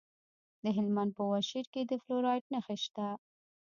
د هلمند په واشیر کې د فلورایټ نښې شته.